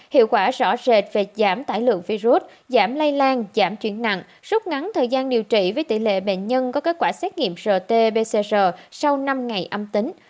hiệu quả rõ rệt về giảm tải lượng virus giảm lây lan giảm chuyển nặng rút ngắn thời gian điều trị với tỷ lệ bệnh nhân có kết quả xét nghiệm rt pcr sau năm ngày âm tính